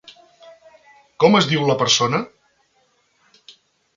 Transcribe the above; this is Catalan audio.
Com es diu la persona?